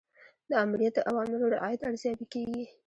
د آمریت د اوامرو رعایت ارزیابي کیږي.